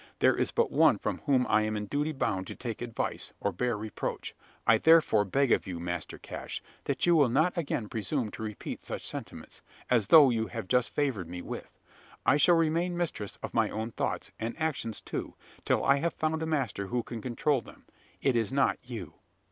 There is but one from whom I am in duty bound to take advice, or bear reproach. I therefore beg of you, Master Cash, that you will not again presume to repeat such sentiments as those you have just favoured me with. I shall remain mistress of my own thoughts and actions, too till I have found a master who can control them. It is not you!"